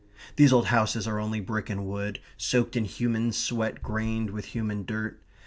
These old houses are only brick and wood, soaked in human sweat, grained with human dirt.